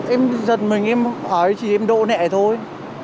em giật mình em hỏi chị em độ nẹ thôi